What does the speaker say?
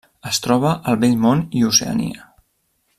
Es troba al Vell Món i Oceania.